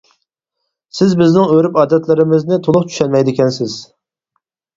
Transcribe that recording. سىز بىزنىڭ ئۆرۈپ ئادەتلىرىمىزنى تۇلۇق چۈشەنمەيدىكەنسىز.